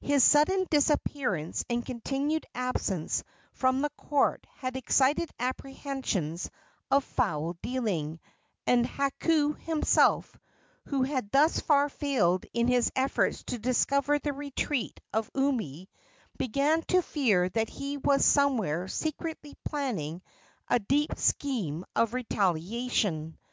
His sudden disappearance and continued absence from the court had excited apprehensions of foul dealing, and Hakau himself, who had thus far failed in his efforts to discover the retreat of Umi, began to fear that he was somewhere secretly planning a deep scheme of retaliation.